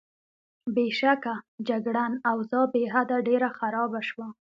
بېشکه، جګړن: اوضاع بېحده ډېره خرابه شوه.